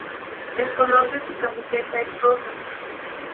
El color de su camiseta es roja.